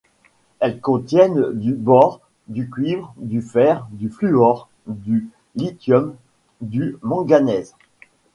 Elles contiennent du bore, du cuivre, du fer, du fluor, du lithium, du manganèse.